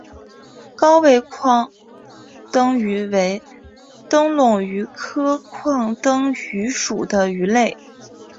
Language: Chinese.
高位眶灯鱼为灯笼鱼科眶灯鱼属的鱼类。